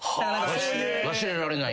忘れられない。